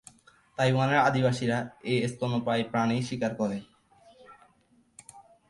তাইওয়ানের অধিবাসীরা এ স্তন্যপায়ী প্রাণী শিকার করে।